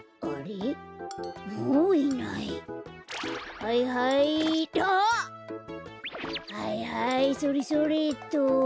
はいはいそれそれっと。